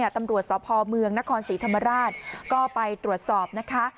ตำรวจสพเมืองนครศรีธรรมราชก็ไปตรวจสอบนะคะ